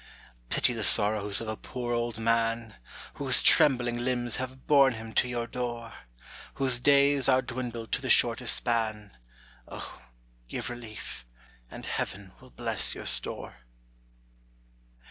Pity the sorrows of a poor old man! Whose trembling limbs have born him to your door, Whose days are dwindled to the shortest span, O, give relief, and Heaven will bless your store.